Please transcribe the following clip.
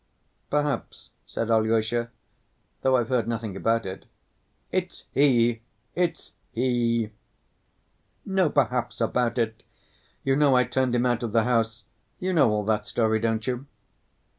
"Perhaps," said Alyosha, "though I've heard nothing about it." "It's he, it's he! No 'perhaps' about it. You know I turned him out of the house.... You know all that story, don't you?"